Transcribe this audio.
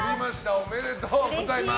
おめでとうございます。